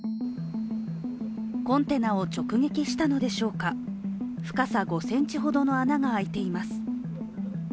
コンテナを直撃したのでしょうか、深さ５ｃｍほどの穴が開いています。